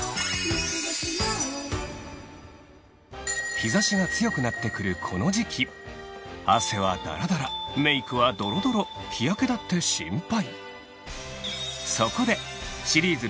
日差しが強くなってくるこの時期汗はダラダラメイクはドロドロ日焼けだって心配